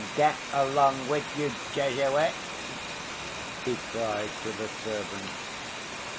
"Get along with you, Jesuits!" he cried to the servants.